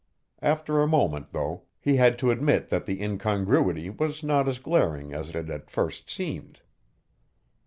After a moment, though, he had to admit that the incongruity was not as glaring as it had at first seemed.